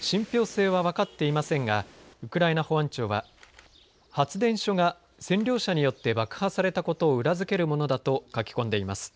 信ぴょう性は分かっていませんがウクライナ保安庁は発電所が占領者によって爆破されたことを裏付けるものだと書き込んでいます。